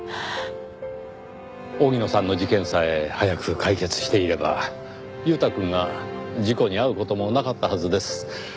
荻野さんの事件さえ早く解決していれば悠太くんが事故に遭う事もなかったはずです。